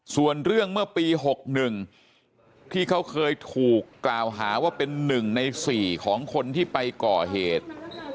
ส่วนเรื่องเมื่อปี๖๑ที่เขาเคยถูกกล่าวหาว่าเป็น๑ใน๔ของคนที่ไปก่อเหตุ